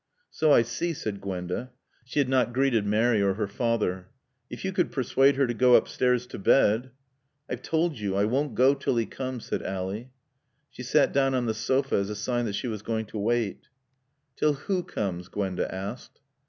"So I see," said Gwenda. She had not greeted Mary or her father. "If you could persuade her to go upstairs to bed " "I've told you I won't go till he comes," said Ally. She sat down on the sofa as a sign that she was going to wait. "Till who comes?" Gwenda asked.